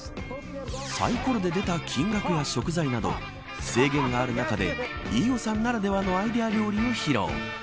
サイコロで出た金額や食材など制限がある中で飯尾さんならではのアイデア料理を披露。